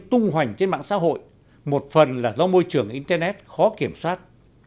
tung hoành trên mạng xã hội một phần là do môi trường internet khó kiểm soát